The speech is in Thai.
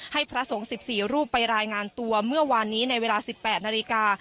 พระสงฆ์๑๔รูปไปรายงานตัวเมื่อวานนี้ในเวลา๑๘นาฬิกา